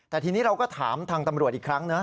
แต่ทีนี้เราก็ถามทางตำรวจอีกครั้งนะ